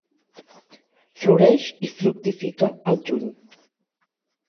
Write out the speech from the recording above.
Floreix i fructifica al juny.